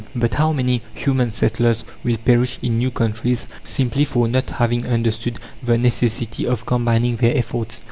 But how many human settlers will perish in new countries simply for not having understood the necessity of combining their efforts!